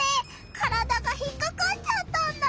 体が引っかかっちゃったんだ。